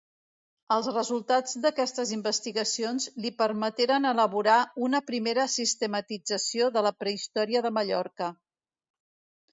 Els resultats d'aquestes investigacions li permeteren elaborar una primera sistematització de la prehistòria de Mallorca.